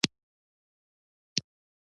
خو دا کار ونه شو.